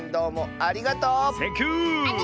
ありがとう！